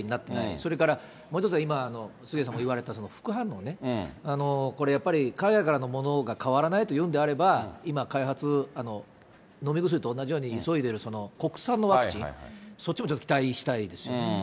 それからもう一つは今、杉上さんも言われた、副反応ね、これ、やっぱり海外からのものが変わらないというんであれば、今開発、飲み薬と同じように急いでる国産のワクチン、そっちもちょっと期待したいですよね。